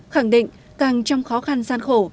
khẳng định càng trong khó khăn gian khổ